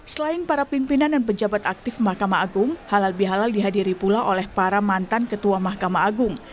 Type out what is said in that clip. selain para pimpinan dan pejabat aktif mahkamah agung halal bihalal dihadiri pula oleh para mantan ketua mahkamah agung